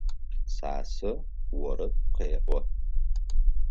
Цацэ орэд къеӏо.